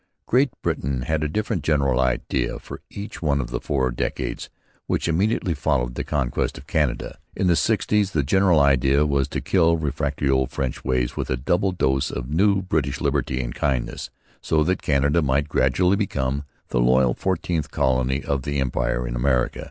Great Britain had a different general idea for each one of the four decades which immediately followed the conquest of Canada. In the sixties the general idea was to kill refractory old French ways with a double dose of new British liberty and kindness, so that Canada might gradually become the loyal fourteenth colony of the Empire in America.